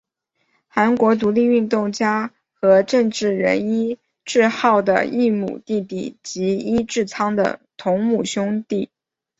韩国独立运动家和政治人尹致昊的异母弟弟及尹致昌的同母亲兄。